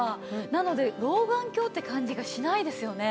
なので老眼鏡って感じがしないですよね。